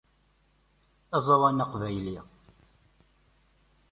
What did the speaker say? Aẓawan aqbayli.